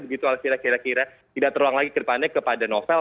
begitu elvira kira kira tidak terulang lagi ke depannya kepada novel